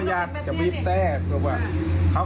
อยากจะวิบแต๊ก